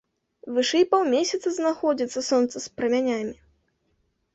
Вышэй паўмесяца знаходзіцца сонца з прамянямі.